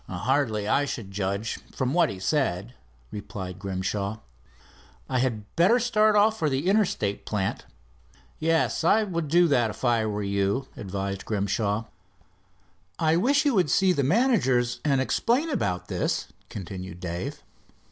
"Hardly, I should judge, from what he said," replied Grimshaw. "I had better start right off for the Interstate plant." "Yes. I would do that if I were you," advised Grimshaw. "I wish you would see the managers and explain about this," continued Dave.